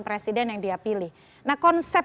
presiden yang dia pilih nah konsep